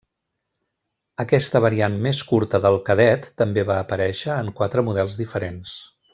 Aquesta variant més curta del Cadet també va aparèixer en quatre models diferents.